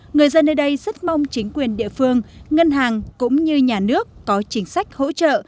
người dân nơi đây rất mong chính quyền địa phương ngân hàng cũng như nhà nước có chính sách hỗ trợ